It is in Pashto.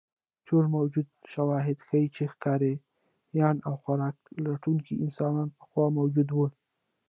ټول موجود شواهد ښیي، چې ښکاریان او خوراک لټونکي انسانان پخوا موجود وو.